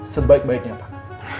sebaik baiknya pak